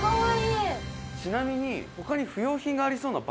「ちなみに」